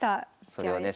それをね